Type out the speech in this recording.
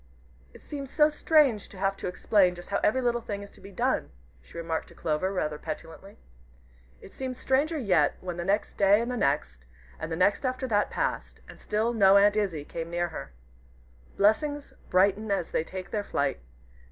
"It seems so strange to have to explain just how every little thing is to be done," she remarked to Clover, rather petulantly. It seemed stranger yet, when the next day, and the next, and the next after that passed, and still no Aunt Izzie came near her. Blessings brighten as they take their flight.